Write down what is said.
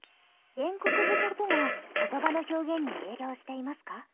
現国好きな事が言葉の表現に影響していますか？